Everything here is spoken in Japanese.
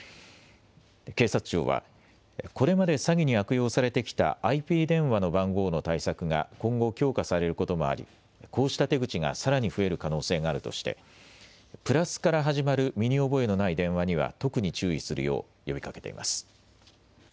警察庁はこれまで詐欺に悪用されてきたＩＰ電話の番号の対策が今後、強化されることもありこうした手口がさらに増える可能性があるとして＋から始まる身に覚えのない電話には特に注意するよう呼びかけています。